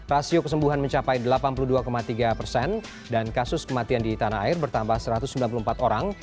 rasio kesembuhan mencapai delapan puluh dua tiga persen dan kasus kematian di tanah air bertambah satu ratus sembilan puluh empat orang